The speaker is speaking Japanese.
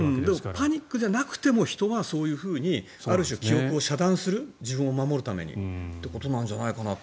パニックじゃなくても人はそういうふうにある種、記憶を遮断する自分を守るためにということなんじゃないかなと。